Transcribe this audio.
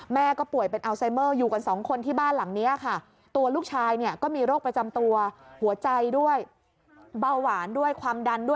แม่ก็ป่วยเป็นอัลไซเมอร์อยู่กันสองคนที่บ้านหลังนี้ค่ะ